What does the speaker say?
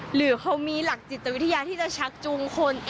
หรือเขามีหลักจิตวิทยาที่จะชักจูงคน